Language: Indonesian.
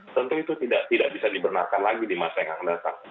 tentu itu tidak bisa dibenarkan lagi di masa yang akan datang